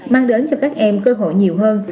mang đến cho các em cơ hội nhiều hơn